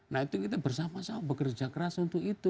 nah itu kita bersama sama bekerja keras untuk itu